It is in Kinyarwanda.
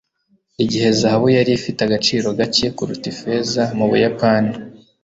igihe zahabu yari ifite agaciro gake kuruta ifeza mu buyapani